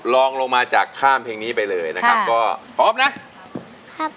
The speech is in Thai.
ลองลงมาจากข้ามเพลงนี้ไปเลยนะครับก็พร้อมนะครับ